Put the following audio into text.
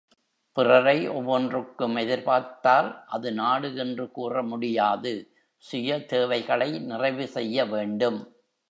பிறரை ஒவ்வொன்றுக்கும் எதிர் பார்த்தால் அது நாடு என்று கூறமுடியாது சுய தேவைகளை நிறைவுசெய்ய வேண்டும்.